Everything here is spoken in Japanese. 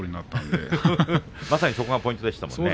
まさにそこがポイントでしたね。